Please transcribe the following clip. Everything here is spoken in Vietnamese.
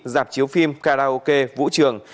giạp chiếu phim karaoke vũ trường